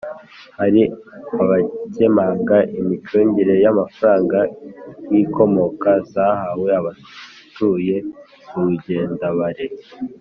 hari abakemanga imicungire y’amafaranga y’inkomoko zahawe abatuye I rugendabare